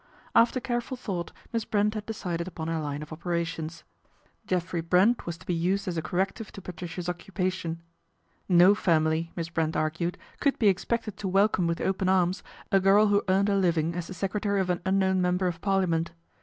After careful thought Miss Brent had decided ipon her line of operations. Geoffrey Brent was to 132 PATRICIA BRENT, SPINSTER be used as a corrective to Patricia's occupation. No family, Miss Brent argued, could be expected to welcome with open arms a girl who earned her living as the secretary of an unknown member of parliament.